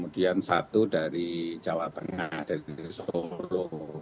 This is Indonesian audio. dan satu dari jawa tengah dari solo